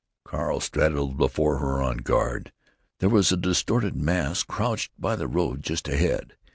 Carl straddled before her, on guard. There was a distorted mass crouched by the road just ahead.